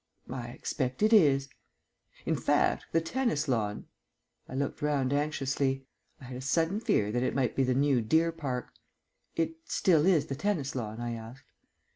"I expect it is." "In fact, the tennis lawn " I looked round anxiously. I had a sudden fear that it might be the new deer park. "It still is the tennis lawn?" I asked.